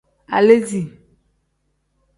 Aleesi.